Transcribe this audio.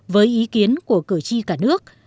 với ý kiến của cử tri cả nước